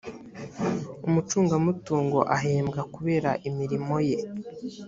umucungamutungo ahembwa kubera imirimoye.